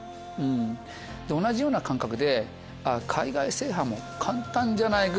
で同じような感覚で海外制覇も簡単じゃないか？